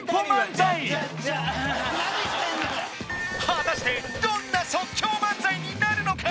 果たしてどんな即興漫才になるのか？